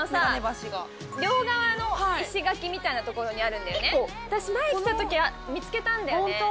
両側の石垣みたいな所にある私、前来たときは見つけたん本当？